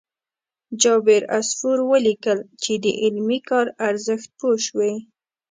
جابر عصفور ولیکل چې د علمي کار ارزښت پوه شوي.